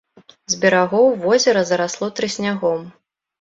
З берагоў возера зарасло трыснягом.